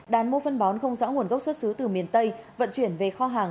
đàn mua phân bón không rõ nguồn gốc xuất xứ từ miền tây vận chuyển về kho hàng